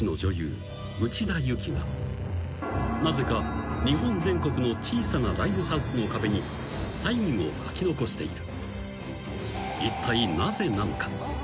［なぜか日本全国の小さなライブハウスの壁にサインを書き残している］